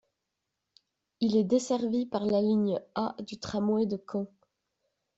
Il est desservi par la ligne A du tramway de Caen.